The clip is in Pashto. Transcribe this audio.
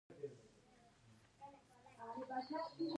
دوی د ګلونو څخه عطر جوړوي.